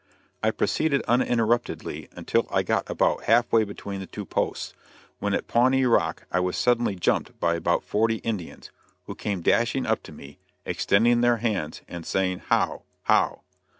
I proceeded uninterruptedly until I got about half way between the two posts, when at Pawnee Rock I was suddenly "jumped" by about forty Indians, who came dashing up to me, extending their hands and saying, "How! How!"